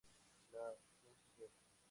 La acción social.